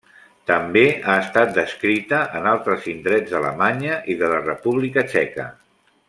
També ha estat descrita en altres indrets d'Alemanya i de la República Txeca.